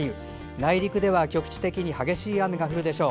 内陸では局地的に激しい雨が降るでしょう